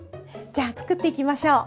じゃあ作っていきましょう。